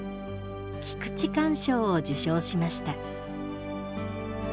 菊池寛賞を受賞しました。